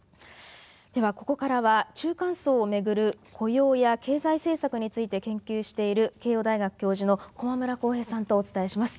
ではここからは中間層を巡る雇用や経済政策について研究している慶応大学教授の駒村康平さんとお伝えします。